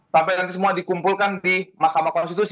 sampai nanti semua dikumpulkan di mahkamah konstitusi